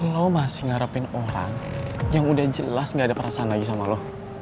lo masih ngarepin orang yang udah jelas gak ada perasaan lagi sama lo